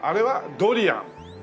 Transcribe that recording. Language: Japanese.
ドリアン。